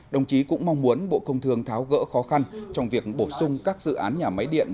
đồng chí cũng mong muốn bộ công thương tháo gỡ khó khăn trong việc bổ sung các dự án nhà máy điện